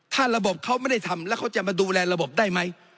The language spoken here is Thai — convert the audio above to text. ถ้าระบบเขาไม่ได้ทำแล้วเขาจะมาดูแลระบบได้ไหม